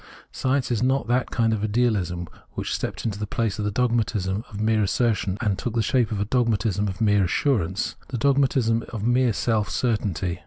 Science is not that kind of Idealism which stepped into the place of the Dogmatism of mere assertion and took the shape of a Dogmatism of mere assurance, the Dogmatism of mere self certainty.